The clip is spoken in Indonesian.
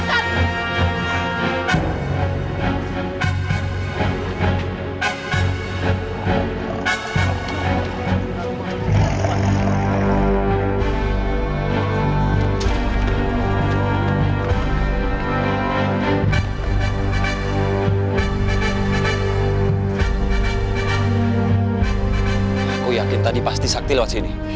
aku yakin tadi pasti sakti lewat sini